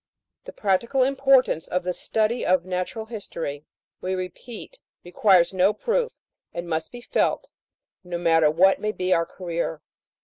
The practical importance of the study of natural history, we repeat, requires no proof, and must be felt, no matter what may be our career.